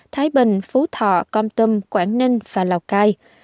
thái bình phú thọ con tâm quảng ninh và lào cai